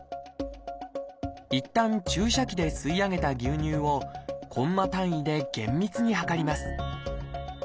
いったん注射器で吸い上げた牛乳をコンマ単位で厳密に量ります。